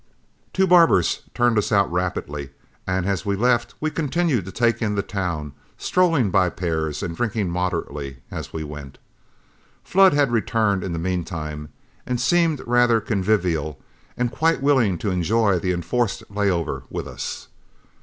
Two barbers turned us out rapidly, and as we left we continued to take in the town, strolling by pairs and drinking moderately as we went. Flood had returned in the mean time, and seemed rather convivial and quite willing to enjoy the enforced lay over with us.